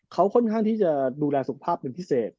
เขาค่อนข้างที่จะดูแลสุขภาพเป็นพิเศษ